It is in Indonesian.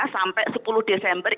sampai sepuluh desember